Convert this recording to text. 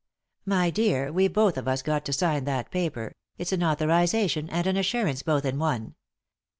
" My dear, we've both of us got to sign that paper — it's an authorisation and an assurance both in one.